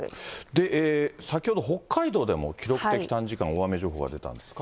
で、先ほど北海道でも記録的短時間大雨情報が出たんですか。